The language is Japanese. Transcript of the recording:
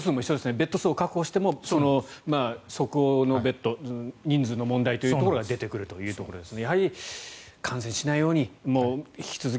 ベッドを確保しても即応のベッド人数の問題というところが出てくるということですね。